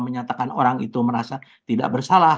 menyatakan orang itu merasa tidak bersalah